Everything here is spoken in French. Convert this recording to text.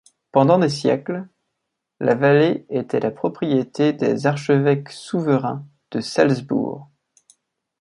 Pendant des siècles, la vallée était la propriété des archevêques souverains de Salzbourg.